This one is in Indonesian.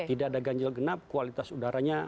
tidak ada ganjil genap kualitas udaranya